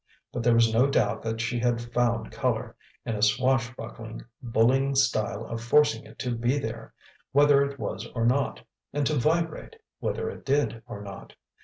But there was no doubt she had "found colour" in a swash buckling, bullying style of forcing it to be there, whether it was or not, and to "vibrate," whether it did or not.